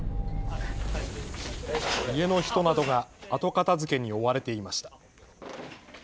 家の人などが後片づけに追われていました。